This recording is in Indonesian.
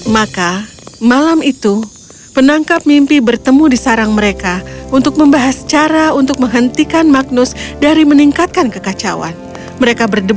maka malam itu penangkap mimpi bertemu di sarang mereka untuk mencari mimpi buruk